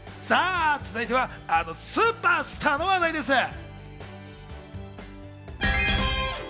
続いてはあのスーパースターの話題です。